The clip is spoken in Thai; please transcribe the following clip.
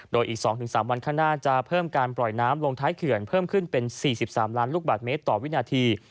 โดยอีก๒๓วันข้างหน้าจะเพิ่มการปล่อยน้ำลงท้ายเขื่อนเพิ่มขึ้นเป็น๔๓ล้านลูกบาทเมตรต่อวินาที